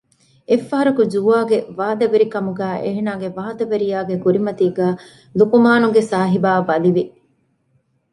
އެއްފަހަރަކު ޖުވާގެ ވާދަވެރިކަމުގައި އޭނާގެ ވާދަވެރިޔާގެ ކުރިމަތީގައި ލުޤުމާނުގެފާނުގެ ސާހިބާ ބަލިވި